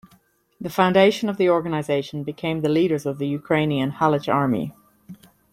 The foundation of the organization became the leaders of the Ukrainian Halych Army.